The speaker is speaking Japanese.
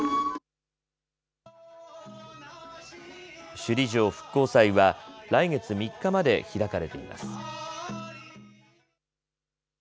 首里城復興祭は来月３日まで開かれています。